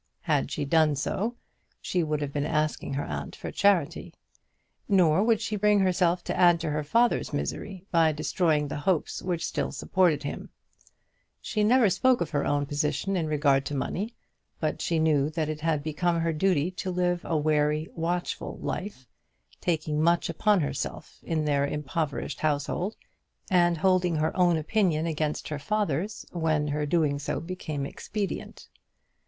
Had she done so she would have been asking her aunt for charity. Nor would she bring herself to add to her father's misery, by destroying the hopes which still supported him. She never spoke of her own position in regard to money, but she knew that it had become her duty to live a wary, watchful life, taking much upon herself in their impoverished household, and holding her own opinion against her father's when her doing so became expedient.